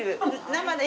生で。